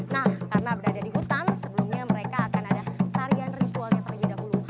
nah karena berada di hutan sebelumnya mereka akan ada tarian ritual yang terbeda dulu